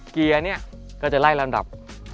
เกียร์เนี่ยก็จะไล่ลำดับ